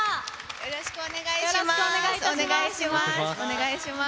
よろしくお願いします。